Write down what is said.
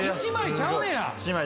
１枚ちゃうねや。